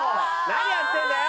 何やってるんだよ！